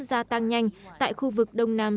gia tăng nhanh tại khu vực đông nam